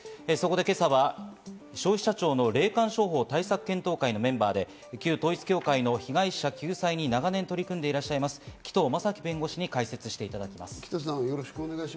今朝は消費者庁の霊感商法対策検討会のメンバーで、旧統一教会の被害者救済に長年取り組んでいらっしゃいます、紀藤正樹弁護士に解説していただきます。